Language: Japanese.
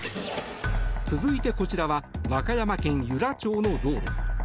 続いて、こちらは和歌山県由良町の道路。